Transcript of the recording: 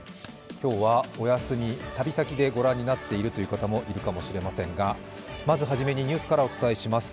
今日はお休み、旅先でご覧になっているという方もいるかもしれませんがまずはじめにニュースからお伝えします。